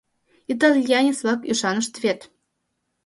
Итальянец-влак ӱшанышт вет.